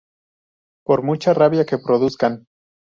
Por mucha rabia que produzcan